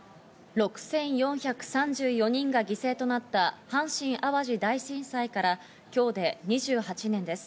６４３４人が犠牲となった阪神・淡路大震災から今日で２８年です。